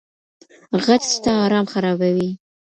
غچ ستا ارام خرابوي.